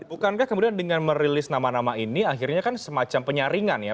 bukankah kemudian dengan merilis nama nama ini akhirnya kan semacam penyaringan ya